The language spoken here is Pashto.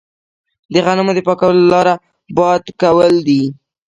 د غنمو د پاکولو لاره باد کول دي.